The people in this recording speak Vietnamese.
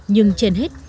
nhưng trên hết